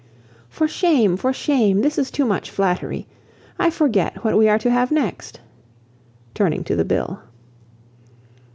"For shame! for shame! this is too much flattery. I forget what we are to have next," turning to the bill.